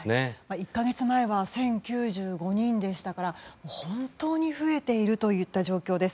１月前は１０９５人でしたから本当に増えているといった状況です。